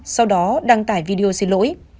sau đó đăng tải video xin lỗi